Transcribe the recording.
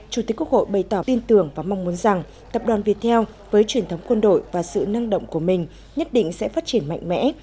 chủ tịch quốc hội bày tỏ tin tưởng và mong muốn rằng tập đoàn việt theo với truyền thống quân đội và sự năng động của mình nhất định sẽ phát triển mạnh mẽ